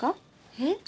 えっ？